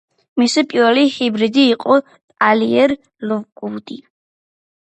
მისი პირველი ჰიბრიდი იყო ტაილერ ლოკვუდი.